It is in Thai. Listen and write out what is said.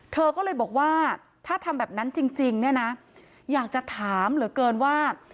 เธอก็เลยบอกว่าถ้าทำแบบนั้นจริงเนี่ยนะอยากจะถามเหลือเกินว่า